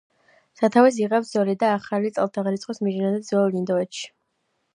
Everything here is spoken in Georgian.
სათავეს იღებს ძველი და ახალი წელთაღრიცხვის მიჯნაზე ძველ ინდოეთში.